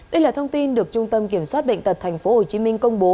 đây là thông tin được trung tâm kiểm soát bệnh tật thành phố hồ chí minh công bố